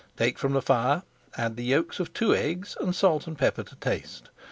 Take from the fire, add the yolks of two eggs, and salt and pepper to taste.